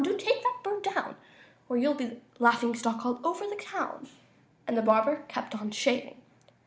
Do take that bird down, Or you'll soon be the laughing stock all over town!" And the barber kept on shaving.